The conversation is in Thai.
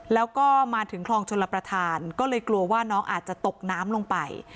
แล้วก็มาถึงคลองชลประธานก็เลยกลัวว่าน้องอาจจะตกน้ำลงไป